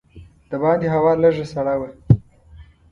د باندې هوا لږه سړه وه.